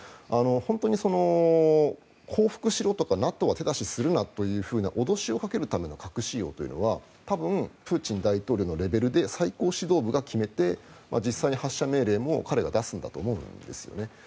本当に降伏しろとかＮＡＴＯは手出しをするなという脅しをかけるための核使用は多分、プーチン大統領のレベルで最高指導部が決めて実際に発射命令も彼が出すんだと思うんです。